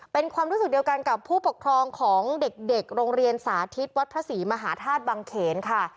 เป็นความรู้สึกเดียวกันกับผู้ปกครองของเด็กโรงเรียนสาธิตวัดพระศรีมหาธาตุบังเขนค่ะ